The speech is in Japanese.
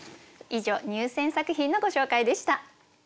以上入選作品のご紹介でした。